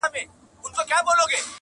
څنګه د بورا د سینې اور وینو؛